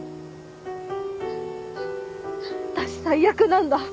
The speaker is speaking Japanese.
私最悪なんだ。